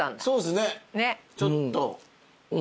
そうっすねちょっと。